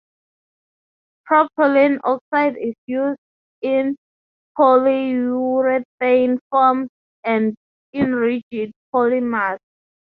Propylene oxide is used in polyurethane foams and in rigid polymers.